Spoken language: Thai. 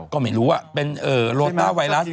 ก็ไม่รู้อ่ะเป็นโลตาไวรัสเนี่ย